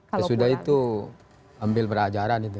ya sudah itu ambil pelajaran itu